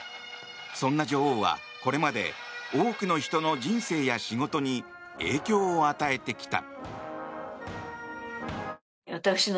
そんな女王は、これまで多くの人の人生や仕事に影響を与えてきた。